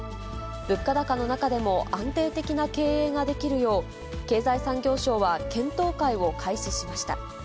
物価高の中でも安定的な経営ができるよう、経済産業省は検討会を開始しました。